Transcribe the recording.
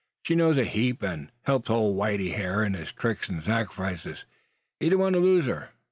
She knows a heap, an' helps ole whitey hyur in his tricks an' sacrifiches. He don't want to lose her.